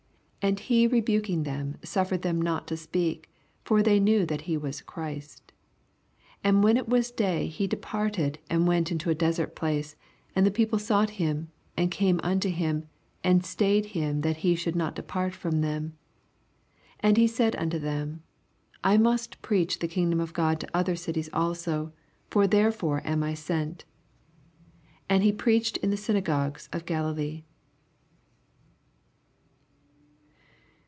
And he rebuking them suffered them not to speak : for they knew that be wan Christ. 42 And when it was day he depart ed and went into a desert place : and the people sought him, and came nnto him, and stayed him that he should not depart from them. 43 And he said unto them, I must preaoh the kingdom of God to other cities also : for therefore am I sent. 44 And he preached in the syn* gogues of Galilee.